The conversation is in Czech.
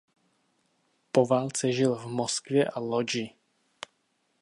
Po válce žil v Moskvě a Lodži.